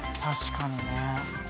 確かにね。